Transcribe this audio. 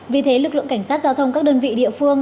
vì thế lực lượng cảnh sát giao thông các đơn vị địa phương